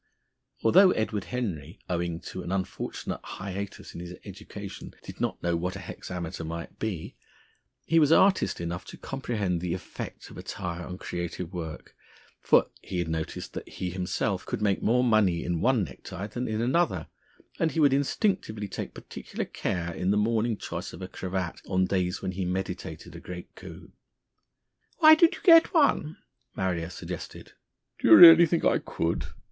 Although Edward Henry, owing to an unfortunate hiatus in his education, did not know what a hexameter might be, he was artist enough to comprehend the effect of attire on creative work, for he had noticed that he himself could make more money in one necktie than in another, and he would instinctively take particular care in the morning choice of a cravat on days when he meditated a great coup. "Why don't you get one?" Marrier suggested. "Do you really think I could?"